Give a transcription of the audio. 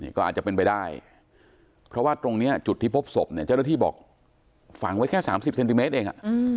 ก็อาจจะเป็นไปได้เพราะว่าตรงนี้จุดที่พบศพเนี่ยเจ้าหน้าที่บอกฝังไว้แค่๓๐เซนติเมตรเอง